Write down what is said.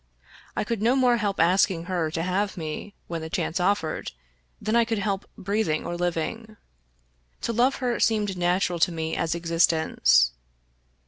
I could no more help asking her to have me, when the chance offered, than I could help breathing or living. To love her seemed natural to me as existence.